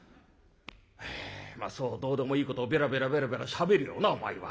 「はあまあそうどうでもいいことをベラベラベラベラしゃべりよるなお前は。